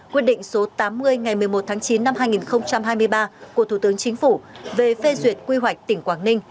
quyết định số tám mươi ngày một mươi một tháng chín năm hai nghìn hai mươi ba của thủ tướng chính phủ về phê duyệt quy hoạch tỉnh quảng ninh